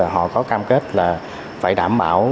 họ có cam kết là phải đảm bảo